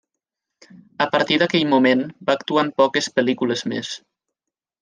A partir d’aquell moment va actuar en poques pel·lícules més.